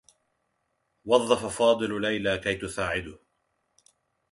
وظّف فاضل ليلى كي تساعده.